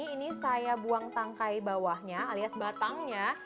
ini saya buang tangkai bawahnya alias batangnya